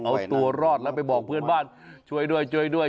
เอาตัวรอดแล้วไปบอกเพื่อนบ้านช่วยด้วยช่วยด้วย